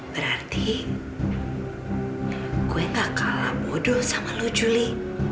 berarti gue gak kalah bodoh sama lo juli